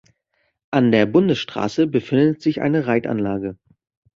An der Bundesstraße befindet sich eine Reitanlage.